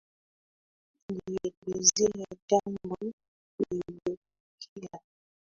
Alielezea jambo lililotukia